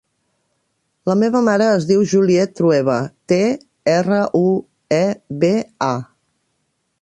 La meva mare es diu Juliet Trueba: te, erra, u, e, be, a.